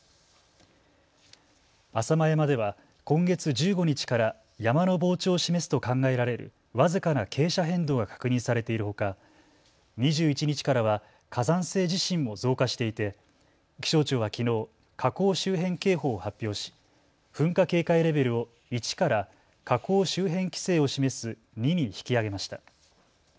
浅間山では今月１５日から山の膨張を示すと考えられる僅かな傾斜変動が確認されているほか２１日からは火山性地震も増加していて気象庁はきのう火口周辺警報を発表し噴火警戒レベルを１から火口周辺規制を示す２に引き上げました。